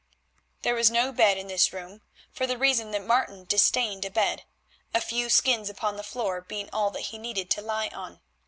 There was no bed in this room for the reason that Martin disdained a bed, a few skins upon the floor being all that he needed to lie on.